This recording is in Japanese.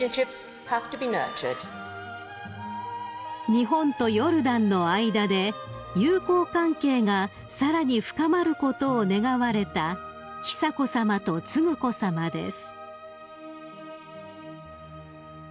［日本とヨルダンの間で友好関係がさらに深まることを願われた久子さまと承子さまです］